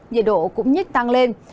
nhiệt độ cũng sẽ chấm dứt vào ngày mai